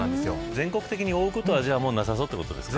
全国的に覆うことはなさそうということですね。